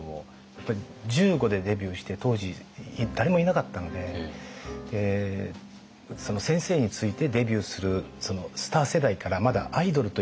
やっぱり１５でデビューして当時誰もいなかったので先生についてデビューするスター世代からアイドルというのがまだなかった。